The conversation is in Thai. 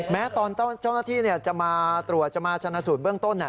แม้ตอนเจ้าหน้าที่จะมาตรวจจะมาชนะสูตรเบื้องต้น